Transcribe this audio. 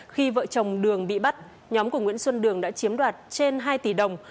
khi vợ chồng đường bị bắt nhóm của nguyễn xuân đường đã chiếm đoạt trên hai tỷ đồng